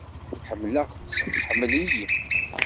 Ḥemmleɣ-tt, tḥemmel-iyi.